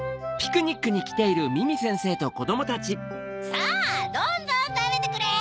さぁどんどんたべてくれ！